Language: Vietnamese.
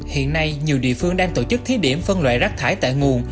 hiện nay nhiều địa phương đang tổ chức thí điểm phân loại rác thải tại nguồn